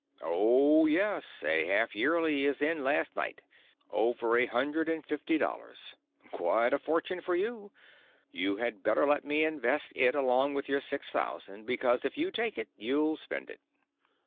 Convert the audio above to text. "Oh, yes, a half yearly is in, last night—over a hundred and fifty dollars. Quite a fortune for you. You had better let me invest it along with your six thousand, because if you take it you'll spend it."